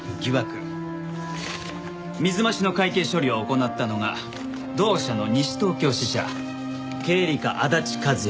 水増しの会計処理を行ったのが同社の西東京支社経理課足立和也さん